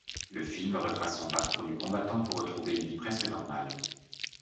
Le film retrace son parcours du combattant pour retrouver une vie presque normale.